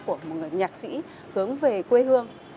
của một người nhạc sĩ hướng về quê hương